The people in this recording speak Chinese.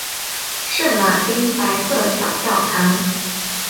圣马丁白色小教堂。